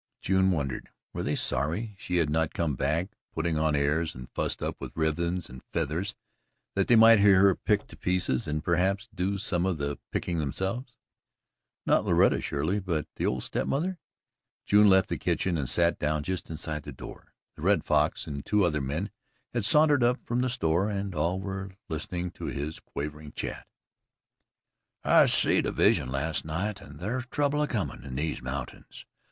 June wondered: were they sorry she had not come back putting on airs and fussed up with ribbons and feathers that they might hear her picked to pieces and perhaps do some of the picking themselves? Not Loretta, surely but the old step mother! June left the kitchen and sat down just inside the door. The Red Fox and two other men had sauntered up from the store and all were listening to his quavering chat: "I seed a vision last night, and thar's trouble a comin' in these mountains.